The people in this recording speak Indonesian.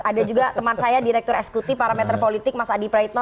ada juga teman saya direktur eskuti parameter politik mas adi praitno